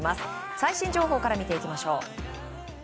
最新情報から見ていきましょう。